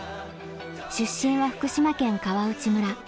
出身は福島県川内村。